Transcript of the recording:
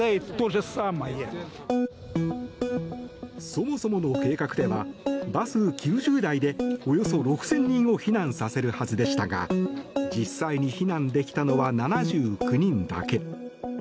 そもそもの計画ではバス９０台でおよそ６０００人を避難させるはずでしたが実際に避難できたのは７９人だけ。